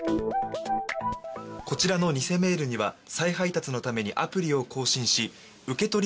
こちらの偽メールには再配達のためにアプリを更新し受け取り